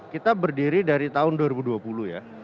kita berdiri dari tahun dua ribu dua puluh ya